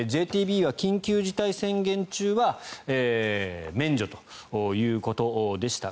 ＪＴＢは緊急事態宣言中は免除ということでした。